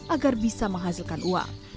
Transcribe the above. agar bisa menghasilkan uang